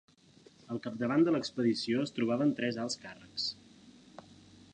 Al capdavant de l'expedició es trobaven tres alts càrrecs.